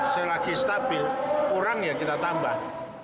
selagi stabil kurang ya kita tambah